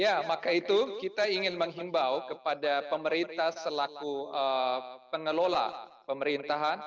ya maka itu kita ingin menghimbau kepada pemerintah selaku pengelola pemerintahan